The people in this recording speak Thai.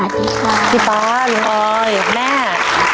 ทีต้อนอยและแม่